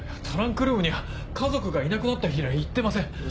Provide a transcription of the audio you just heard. トランクルームには家族がいなくなった日以来行ってません。